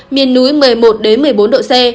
miền núi một mươi một một mươi bốn độ c